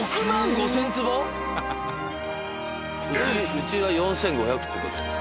うちは４，５００坪です。